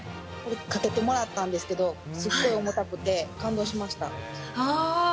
かけてもらったんですけど、すごい重たくて感動しました。